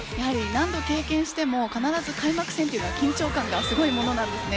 何度経験しても、必ず開幕戦は緊張感がすごいものなんですね。